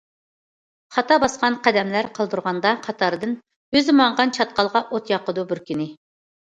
خاتا باسقان قەدەملەر قالدۇرغاندا قاتاردىن، ئۆزى ماڭغان چاتقالغا ئوت ياقىدۇ بىر كۈنى.